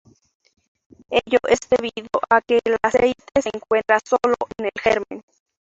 Ello es debido a que el aceite se encuentra sólo en el germen.